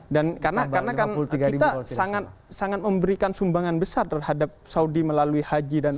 dan karena kita sangat memberikan sumbangan besar terhadap saudi melalui haji dan umroh